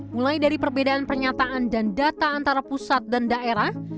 mulai dari perbedaan pernyataan dan data antara pusat dan daerah